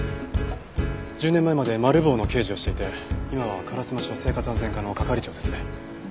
１０年前までマル暴の刑事をしていて今は烏丸署生活安全課の係長です。